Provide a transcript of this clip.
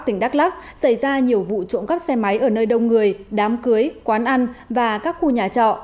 tỉnh đắk lắc xảy ra nhiều vụ trộm cắp xe máy ở nơi đông người đám cưới quán ăn và các khu nhà trọ